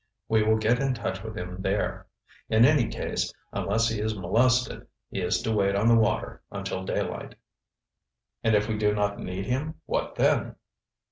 We will get in touch with him there. In any case, unless he is molested, he is to wait on the water until daylight." "And if we do not need him, what then?"